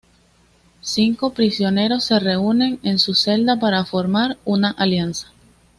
Cinco prisioneros se reúnen en su celda para formar una alianza.